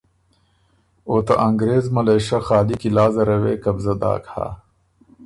او ته انګرېز ملېشه خالی قلعه زره وې قبضۀ داک هۀ،